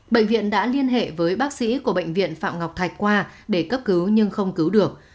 bệnh viện đã liên hệ với bác sĩ của bệnh viện phạm ngọc thạch qua để cấp cứu nhưng không cứu được